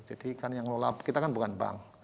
jadi kan yang melolakan kita kan bukan bank